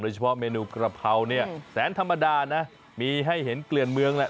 เฉพาะเมนูกระเพราเนี่ยแสนธรรมดานะมีให้เห็นเกลือนเมืองแหละ